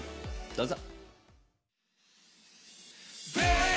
どうぞ。